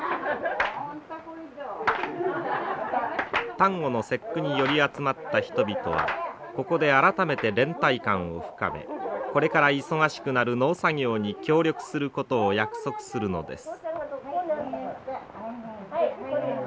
端午の節句に寄り集まった人々はここで改めて連帯感を深めこれから忙しくなる農作業に協力することを約束するのです。